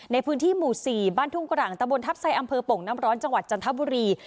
ในพื้นที่หมู่๔บ้านทุ่งกร่างตะบนทัพไซอำเภอโป่งน้ำร้อนจังหวัดจันทบุรี